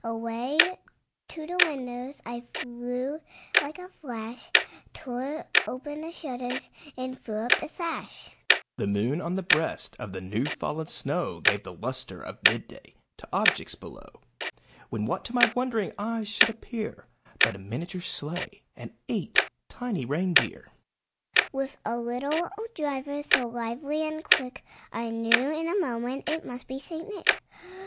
Away to the window I flew like a flash, Tore open the shutters and threw up the sash. The moon on the breast of the new fallen snow Gave the lustre of mid day to objects below, When, what to my wondering eyes should appear, But a miniature sleigh, and eight tiny reindeer, With a little old driver, so lively and quick, I knew in a moment it must be St. Nick.